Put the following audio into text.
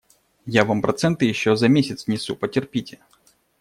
Я вам проценты еще за месяц внесу; потерпите.